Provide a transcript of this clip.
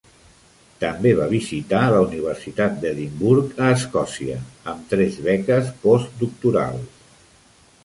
També va visitar la universitat d'Edimburg, a Escòcia, amb tres beques postdoctorals.